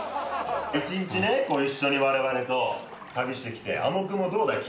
一日ね一緒に我々と旅して来てあの君もどうだい？